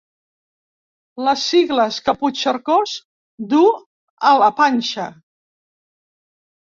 Les sigles que Puigcercós du a la panxa.